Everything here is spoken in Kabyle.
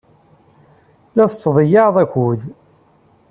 La tettḍeyyiɛed akud.